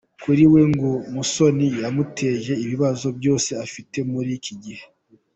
Kuri we ngo Musoni yamuteje ibibazo byose afite muri iki gihe.